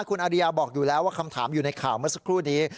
คุณอาริยาบอกอยู่แล้วว่าคำถามอยู่ในข่าวเมื่อสักครู่นี้